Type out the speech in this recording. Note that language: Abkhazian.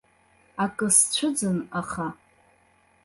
Акы сцәыӡын, аха.